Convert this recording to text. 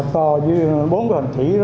to với bốn cái hình thủy